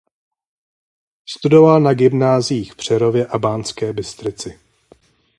Studoval na gymnáziích v Přerově a Banské Bystrici.